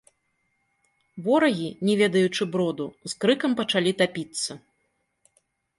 Ворагі, не ведаючы броду, з крыкам пачалі тапіцца.